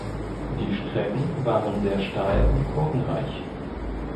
Die Strecken waren sehr steil und kurvenreich.